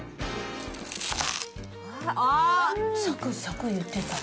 サクサクいってた。